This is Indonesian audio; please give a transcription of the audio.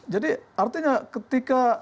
jadi artinya ketika